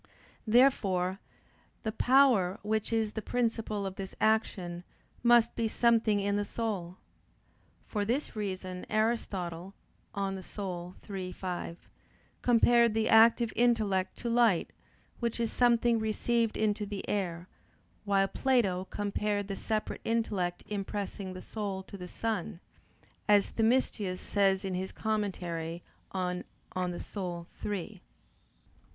Therefore the power which is the principle of this action must be something in the soul. For this reason Aristotle (De Anima iii, 5) compared the active intellect to light, which is something received into the air: while Plato compared the separate intellect impressing the soul to the sun, as Themistius says in his commentary on De Anima iii.